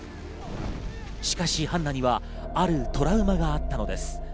しかしハンナにはあるトラウマがあったのです。